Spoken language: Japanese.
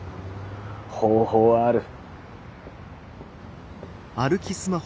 方法はある。